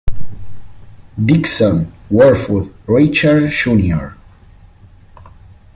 Dickinson Woodruff Richards Jr.